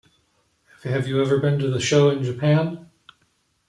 Have you ever been to the show in Japan?